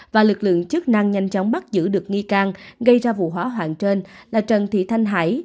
và lực lượng chức năng nhanh chóng bắt giữ được nghi can gây ra vụ hỏa hoạn trên là trần thị thanh hải